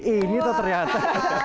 ini tuh ternyata